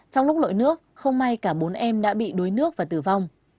trong lúc lội nước không may cả bốn em đã bị đuối nước và tử vong